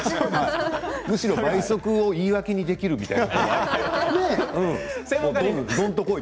むしろ倍速を言い訳にできるみたいな。